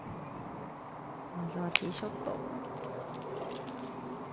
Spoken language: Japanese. まずはティーショット。